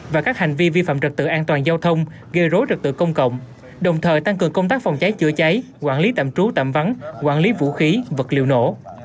và các hành vi vi phạm trật tự an toàn giao thông gây rối trật tự công cộng đồng thời tăng cường công tác phòng cháy chữa cháy quản lý tạm trú tạm vắng quản lý vũ khí vật liệu nổ